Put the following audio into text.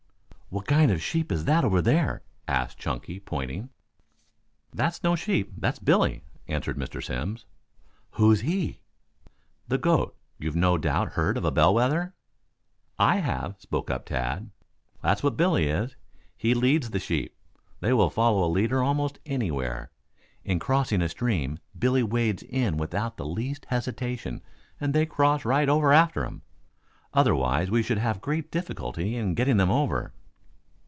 "What kind of sheep is that over there?" asked Chunky, pointing. "That's no sheep. That's Billy," answered Mr. Simms. "Who's he?" "The goat. You've no doubt heard of a bell wether?" "I have," spoke up Tad. "That's what Billy is. He leads the sheep. They will follow a leader almost anywhere. In crossing a stream Billy wades in without the least hesitation and they cross right over after him. Otherwise we should have great difficulty in getting them over."